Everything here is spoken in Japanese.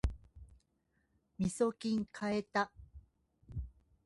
みそきん買えた